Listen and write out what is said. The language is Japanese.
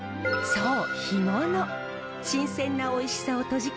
そう。